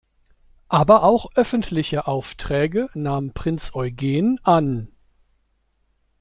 Aber auch öffentliche Aufträge nahm Prinz Eugen an.